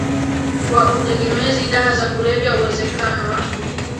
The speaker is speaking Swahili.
wa utegemezi dawa za kulevya Uwezekano wa